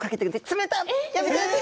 冷たい。